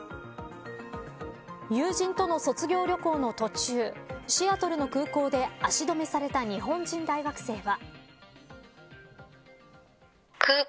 友人との卒業旅行の途中シアトルの空港で足止めされた日本人大学生は。